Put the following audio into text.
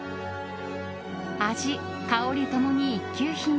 味、香り共に一級品。